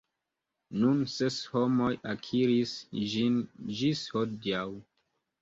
Nur ses homoj akiris ĝin ĝis hodiaŭ.